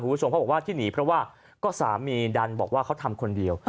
คุณผู้ชมเขาบอกว่าที่หนีเพราะว่าก็สามีดันบอกว่าเขาทำคนเดียว